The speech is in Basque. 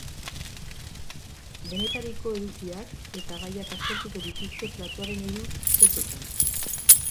Denetariko edukiak eta gaiak aztertuko dituzte platoaren hiru setetan.